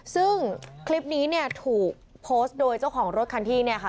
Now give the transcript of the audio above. ซึ่งคลิปนี้เนี่ยถูกโพสต์โดยเจ้าของรถคันที่เนี่ยค่ะ